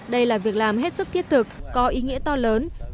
đây là việc làm hết sức thiết thực có ý nghĩa to lớn